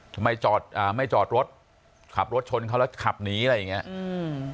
จอดอ่าไม่จอดรถขับรถชนเขาแล้วขับหนีอะไรอย่างเงี้ยอืม